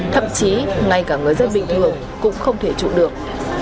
thậm chí ngay cả người dân bình thường cũng không thể trụ được